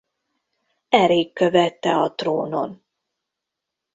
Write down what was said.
Erik követte a trónon.